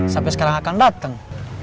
sampai sekarang akan dateng